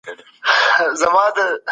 هغه د فرانسې شمېرې وکارولې.